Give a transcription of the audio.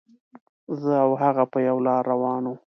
زه او هغه په یوه لاره روان وو.